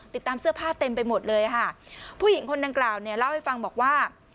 ตามเสื้อผ้าเต็มไปหมดเลยค่ะผู้หญิงคนดังกล่าวเนี่ยเล่าให้ฟังบอกว่า